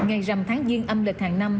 ngày rằm tháng giêng âm lịch hàng năm